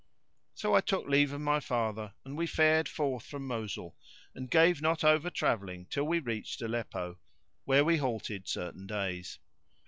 So I took leave of my father and we fared forth from Mosul and gave not over travelling till we reached Aleppo[FN#584] where we halted certain days.